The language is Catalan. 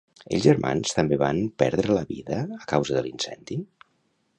Els germans també van perdre la vida a causa de l'incendi?